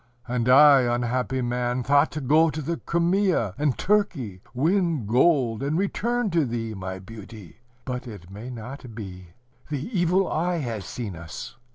"And I, unhappy man, thought to go to the Crimea and Turkey, win gold and return to thee, my beauty! But it may not be. The evil eye has seen us.